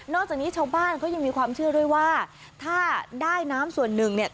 จากนี้ชาวบ้านเขายังมีความเชื่อด้วยว่าถ้าได้น้ำส่วนหนึ่งเนี่ย